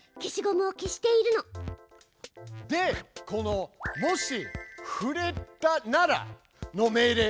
でこの「もし触れたなら」の命令で。